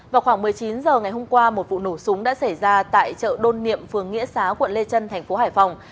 vào khoảng một mươi chín h ngày hôm qua một vụ nổ súng đã xảy ra tại chợ đôn niệm phường nghĩa xá quận lê trân thành phố hải phòng